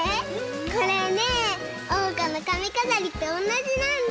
これねえおうかのかみかざりとおんなじなんだ！